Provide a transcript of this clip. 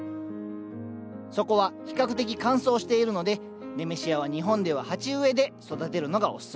そこは比較的乾燥しているのでネメシアは日本では鉢植えで育てるのがおすすめですよ。